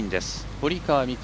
堀川未来